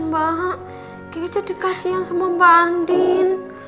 mbak kiki jadi kasian sama mbak andin